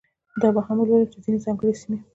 دا به هم ولولو چې ځینې ځانګړې سیمې.